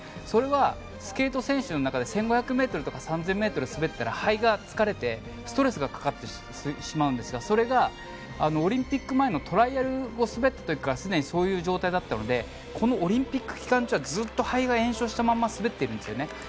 それはスケート選手の中で１５００ｍとか３０００ｍ滑ったら肺が疲れてストレスがかかってしまうんですがそれがオリンピック前のトライアルを滑った時からすでにそういう状態だったのでこのオリンピック期間中はずっと肺が炎症したまま滑っているんですよね。